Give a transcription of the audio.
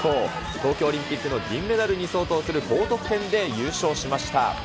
東京オリンピックの銀メダルに相当する高得点で優勝しました。